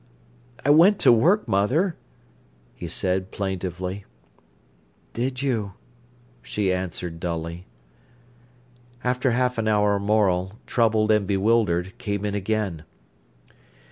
"I went to work, mother," he said plaintively. "Did you?" she answered, dully. After half an hour Morel, troubled and bewildered, came in again.